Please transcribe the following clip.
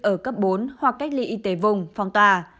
ở cấp bốn hoặc cách ly y tế vùng phong tỏa